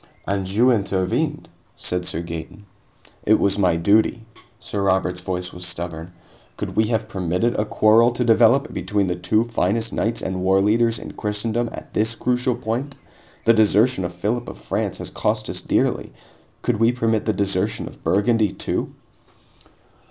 "And you intervened," said Sir Gaeton. "It was my duty." Sir Robert's voice was stubborn. "Could we have permitted a quarrel to develop between the two finest knights and warleaders in Christendom at this crucial point? The desertion of Philip of France has cost us dearly. Could we permit the desertion of Burgundy, too?"